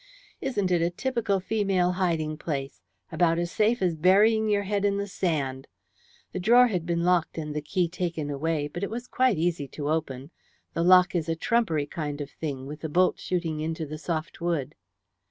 "Isn't it a typical female hiding place? About as safe as burying your head in the sand. The drawer had been locked and the key taken away, but it was quite easy to open. The lock is a trumpery kind of thing, with the bolt shooting into the soft wood."